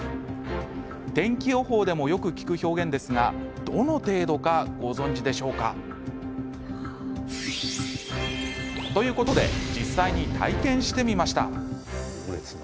天気予報でもよく聞く表現ですがどの程度かご存じでしょうか？ということで実際に体験してみました。